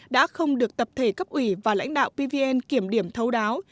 đã không được tập thể cấp ủy và lãnh đạo pvn kiểm điểm thấu đáo